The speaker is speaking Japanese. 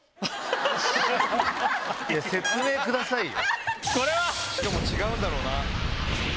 説明くださいよ。